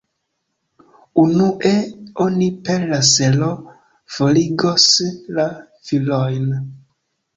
Unue oni per lasero forigos la vilojn.